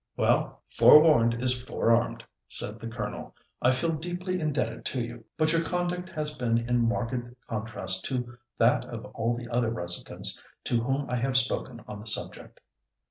"Well! forewarned is forearmed," said the colonel. "I feel deeply indebted to you, but your conduct has been in marked contrast to that of all the other residents to whom I have spoken on the subject."